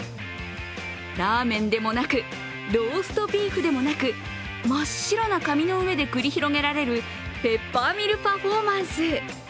ラーメンでもなくローストビーフでもなく真っ白な紙の上で繰り広げられるペッパーミルパフォーマンス。